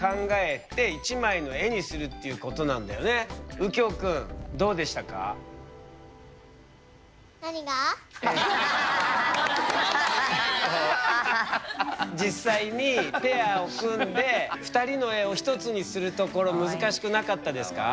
うきょうくんどうでしたか？実際にペアを組んで２人の絵を１つにするところ難しくなかったですか？